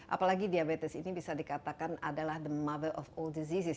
apalagi diabetes ini bisa dikatakan adalah the mother of all disease